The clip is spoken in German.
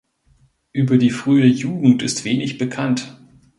Über die frühe Jugend ist wenig bekannt.